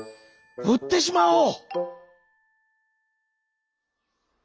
うってしまおう」。